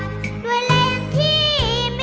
ด้วยแรงที่มี